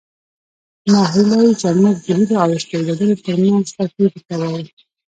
ناهیلي زموږ د هیلو او استعدادونو ترمنځ توپیر ته وایي.